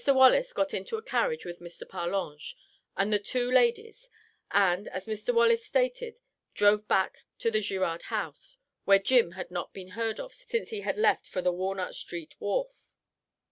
Wallace got into a carriage with Mr. Parlange and the two ladies, and, as Mr. Wallace stated, drove back to the Girard House, where "Jim" had not been heard of since he had left for the Walnut street wharf.